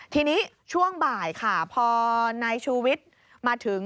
ทีนี้ช่วงบ่ายค่ะพอนายชูวิทย์มาถึง